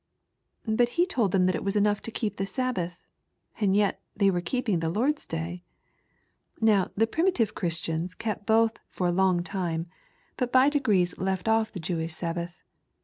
"But he told them it was enough to keep the Sabbath, and yet they were keeping the Lord's Day. Now the primitive Christians kept both for a long time, but by degrees left off the Jewish Sabbath.